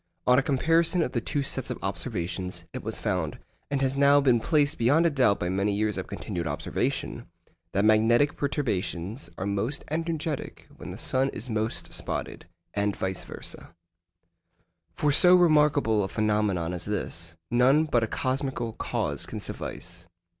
On a comparison of the two sets of observations, it was found (and has now been placed beyond a doubt by many years of continued observation) that magnetic perturbations are most energetic when the sun is most spotted, and vice versâ. For so remarkable a phenomenon as this, none but a cosmical cause can suffice.